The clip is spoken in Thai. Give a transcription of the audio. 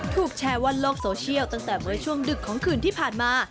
ถูกแชร์ว่าโลกโซเชียลตั้งแต่เมื่อช่วงดึกของคืนที่ผ่านมา